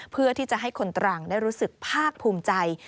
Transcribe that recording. เพื่อที่จะให้คนตรังได้รู้สึกภาคภูมิใจ